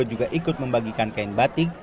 juga ikut membagikan kain batik